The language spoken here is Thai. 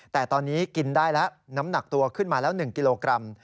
แต่ตอนนี้กินได้แล้วน้ำหนักตัวขึ้นมาแล้ว๑กิโลกรัม